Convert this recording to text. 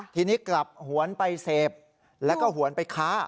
ทีนี้กลับหวนไปเสพแล้วก็หวนไปค้า